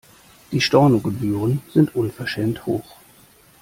Die Stornogebühren sind unverschämt hoch.